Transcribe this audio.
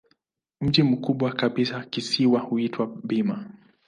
Mji mkubwa kabisa kisiwani huitwa Bima.